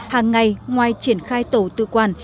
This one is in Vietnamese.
hàng ngày ngoài triển khai tổ tư quan